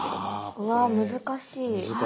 うわこれ難しい。